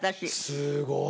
すごい。